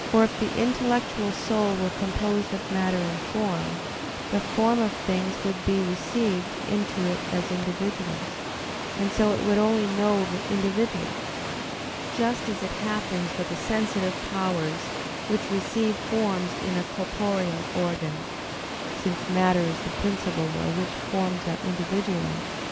For if the intellectual soul were composed of matter and form, the forms of things would be received into it as individuals, and so it would only know the individual: just as it happens with the sensitive powers which receive forms in a corporeal organ; since matter is the principle by which forms are individualized.